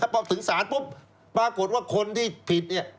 พอถึงศาลปุ๊บปรากฏว่าคนที่ผิดเนี่ย